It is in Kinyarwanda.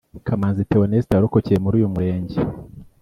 Kamanzi Theoneste warokokeye muri uyu murenge